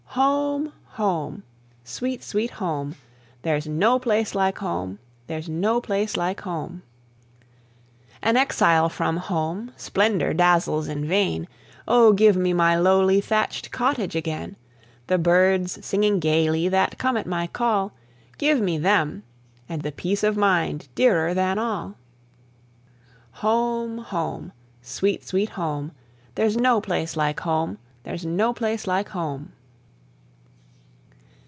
Home! Home! sweet, sweet Home! There's no place like Home! there's no place like Home! An exile from Home, splendour dazzles in vain; O, give me my lowly thatched cottage again! The birds singing gaily, that came at my call, Give me them, and the peace of mind, dearer than all! Home! Home! sweet, sweet Home! There's no place like Home! there's no place like Home!